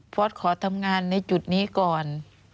พอสขอทำงานในจุดนี้ก่อน